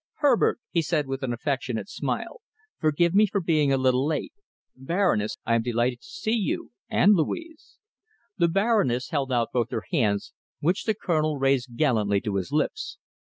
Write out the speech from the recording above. "Herbert," he said, with an affectionate smile, "forgive me for being a little late. Baroness, I am delighted to see you and Louise." The Baroness held out both her hands, which the Colonel raised gallantly to his lips.